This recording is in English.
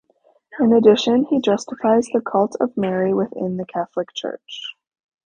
In addition he justifies the cult of Mary within the Catholic Church.